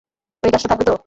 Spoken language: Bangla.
ওই গাছটা থাকবে তো?